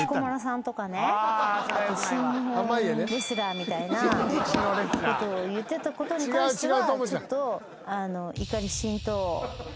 みたいなことを言ってたことに関しては。